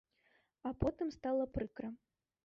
А потым стала прыкра.